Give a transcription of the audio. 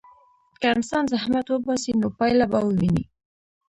که انسان زحمت وباسي، نو پایله به وویني.